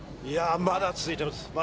いやまだ続いてるんです。